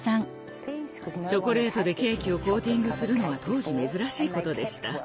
チョコレートでケーキをコーティングするのは当時珍しいことでした。